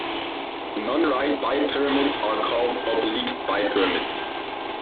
Nonright bipyramids are called oblique bipyramids.